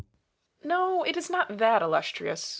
No, it is not that. Illustrious.